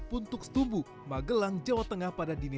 puntuk setumbu magelang jawa tengah pada dini